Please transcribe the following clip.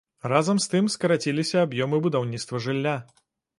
Разам з тым скараціліся аб'ёмы будаўніцтва жылля.